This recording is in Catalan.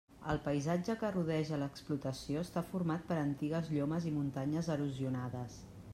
El paisatge que rodeja l'explotació està format per antigues llomes i muntanyes erosionades.